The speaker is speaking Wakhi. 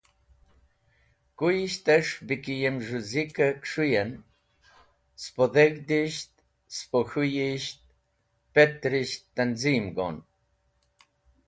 Kuyishtes̃h be ki yem z̃hũ zik-e kũs̃hũyien, spo dheg̃hdisht, spo k̃hũyisht, petrisht, tanzim go’n.